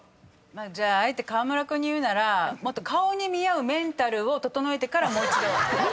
じゃああえて河村君に言うならもっと顔に見合うメンタルを整えてからもう一度。